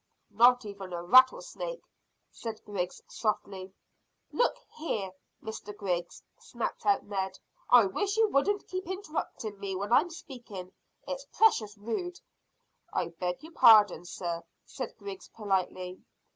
"Not even a rattlesnake," said Griggs softly. "Look here, Mr Griggs," snapped out Ned, "I wish you wouldn't keep interrupting me when I'm speaking. It's precious rude." "I beg your pardon, sir," said Griggs politely.